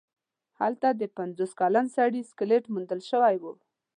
هلته د پنځوس کلن سړي سکلیټ موندل شوی و.